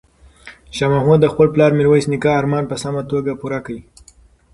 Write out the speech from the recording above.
شاه محمود د خپل پلار میرویس نیکه ارمان په سمه توګه پوره کړ.